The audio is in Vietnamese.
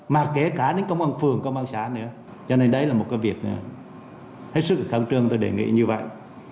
mà kể cả đến công an phường công an xã nữa cho nên đấy là một cái việc hết sức khẳng trương tôi đề nghị như vậy